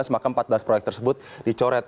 maka empat belas proyek tersebut dicoret